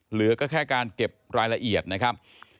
เหลือก็แค่การเก็บรายละเอียดนะครับ